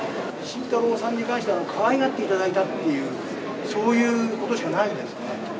慎太郎さんに関しては、かわいがっていただいたっていう、そういうことしかないのでですね。